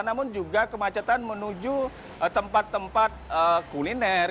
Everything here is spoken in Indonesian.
namun juga kemacetan menuju tempat tempat kuliner